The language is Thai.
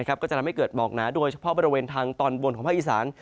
ก็จะทำให้เกิดหมอกหนาโดยเฉพาะบริเวณทางตอนบนของภาคอีสาน